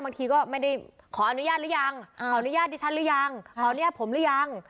บางทีก็ไม่ได้ขออนุญาตหรือยังขออนุญาตดิฉันหรือยังขออนุญาตผมหรือยัง